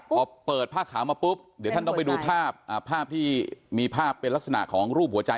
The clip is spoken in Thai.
พอเปิดผ้าขาวมาปุ๊บเดี๋ยวท่านต้องไปดูภาพภาพที่มีภาพเป็นลักษณะของรูปหัวใจ